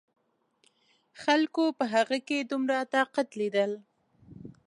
خلکو په هغه کې دومره طاقت لیدل.